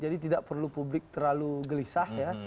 jadi tidak perlu publik terlalu gelisah ya